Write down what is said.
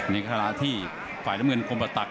ในฐานะที่สายน้ำเงินกลมประตัก